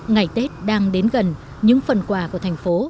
ngày tết đang đến gần những phần quà của thành phố